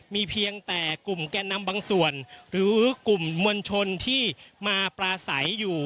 มีเพียงแต่กลุ่มแกนนำบางส่วนหรือกลุ่มมวลชนที่มาปลาใสอยู่